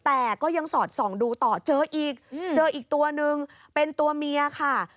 แต่ก็ยังสอดส่องดูต่อเจออีกเจออีกตัวนึงเป็นตัวเมียค่ะ